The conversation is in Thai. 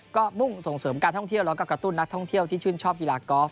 ก็มุ่งส่งเสริมการท่องเที่ยวแล้วก็กระตุ้นนักท่องเที่ยวที่ชื่นชอบกีฬากอล์ฟ